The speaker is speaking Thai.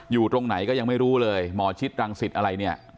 อยู่ตรงไหนก็ยังไม่รู้เลยหมอชิดรังสิตอะไรเนี่ย